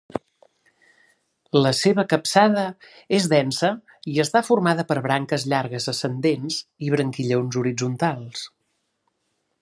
La seva capçada és densa i està formada per branques llargues ascendents i branquillons horitzontals.